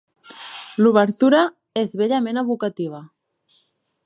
L'obertura és bellament evocativa.